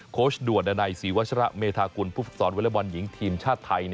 โค้ชด่วนดันใย๔วัชระเมธากุลผู้ฟึกษรวะเล็กบอลหญิงทีมชาติไทย